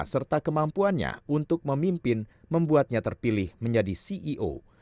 serta kemampuannya untuk memimpin membuatnya terpilih menjadi ceo